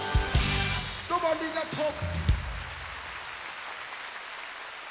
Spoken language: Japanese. どうもありがとう。